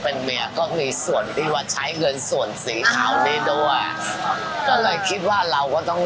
เป็นเมียก็มีส่วนที่ว่าใช้เงินส่วนสีขาวนี้ด้วยก็เลยคิดว่าเราก็ต้อง